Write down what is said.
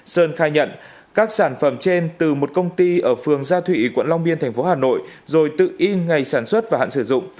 sơn khai nhận các sản phẩm trên từ một công ty ở phường gia thụy quận long biên thành phố hà nội rồi tự y ngày sản xuất và hạn sử dụng